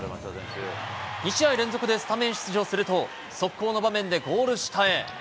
２試合連続でスタメン出場すると、速攻の場面でゴール下へ。